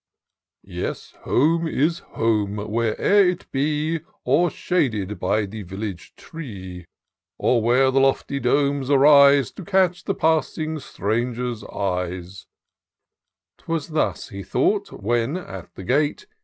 " Yes, home is home, where'er it be. Or, shaded by the village tree. 336 TOUR OF DOCTOR SYNTAX Or where the lofty domes ftrise^ To catch the passing stranger's eyes." 'Twas thus he thought, when, at the gate.